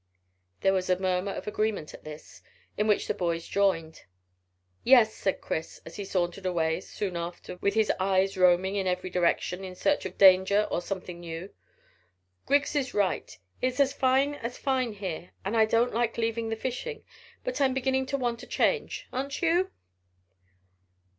There was a murmur of agreement at this, in which the boys joined. "Yes," said Chris, as he sauntered away soon after with his eyes roaming in every direction in search of danger or something new. "Griggs is right. It's as fine as fine here, and I don't like leaving the fishing; but I am beginning to want a change, aren't you?"